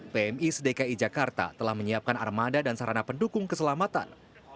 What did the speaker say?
pmi sedekai jakarta telah menyiapkan armada dan sarana pendukung keselamatan